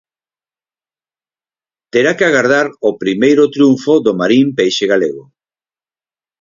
Terá que agardar o primeiro triunfo do Marín Peixe Galego.